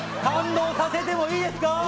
感動させてもいいですか。